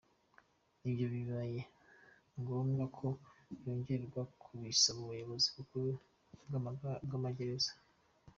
Iyo bibaye ngombwa ko yongerwa, tubisaba ubuyobozi bukuru bw’amagereza.